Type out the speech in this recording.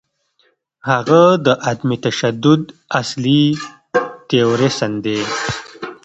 هغه د عدم تشدد اصلي تیوریسن دی.